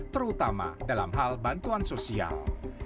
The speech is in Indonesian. terutama dalam hal bantuan sosial